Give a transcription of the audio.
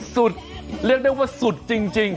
เรียกได้ว่าสุดจริง